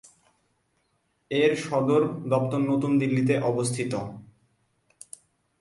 এর সদর দপ্তর নতুন দিল্লিতে অবস্থিত।